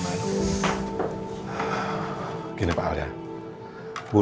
nanti saya pikirkan kemu